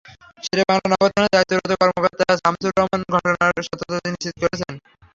শেরে বাংলা নগর থানার দায়িত্বরত কর্মকর্তা শামসুর রহমান ঘটনার সত্যতা নিশ্চিত করেছেন।